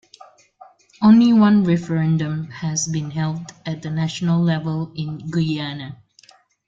Only one referendum has been held at the national level in Guyana.